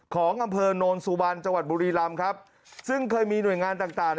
ของอำเภอโนนสุวรรณจังหวัดบุรีรำครับซึ่งเคยมีหน่วยงานต่าง